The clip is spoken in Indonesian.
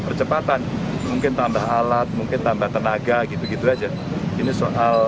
percepatan mungkin tambah alat mungkin tambah tenaga gitu gitu aja ini soal